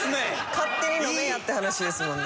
勝手に飲めやっていう話ですもんね。